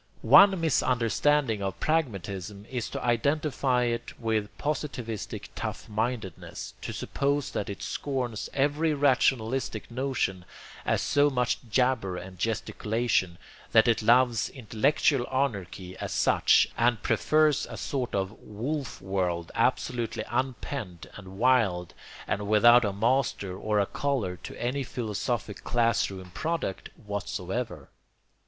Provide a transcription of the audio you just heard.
One misunderstanding of pragmatism is to identify it with positivistic tough mindedness, to suppose that it scorns every rationalistic notion as so much jabber and gesticulation, that it loves intellectual anarchy as such and prefers a sort of wolf world absolutely unpent and wild and without a master or a collar to any philosophic class room product, whatsoever.